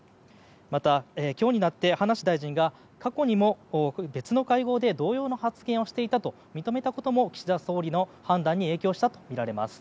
また、今日になって葉梨大臣が過去にも別の会合で同様の発言をしていたと認めたことも岸田総理の判断に影響したとみられます。